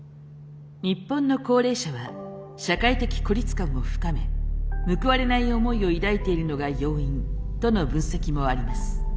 日本の高齢者は社会的孤立感を深め報われない思いを抱いているのが要因との分析もあります。